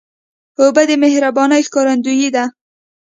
اوبه د مهربانۍ ښکارندویي ده.